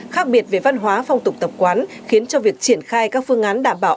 khác biệt về văn hóa phong tục tập quán khiến cho việc triển khai các phương án đảm bảo